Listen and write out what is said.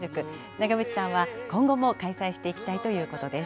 長渕さんは今後も開催していきたいということです。